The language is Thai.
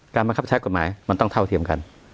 บังคับใช้กฎหมายมันต้องเท่าเทียมกัน